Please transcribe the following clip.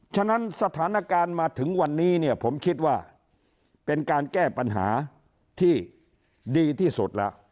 ฉะนั้นสถานการณ์มาถึงวันนี้เนี่ยผมคิดว่าเป็นการแก้ปัญหาที่ดีที่สุดแล้ว